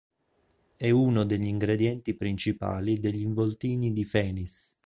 È uno degli ingredienti principali degli "involtini di Fénis".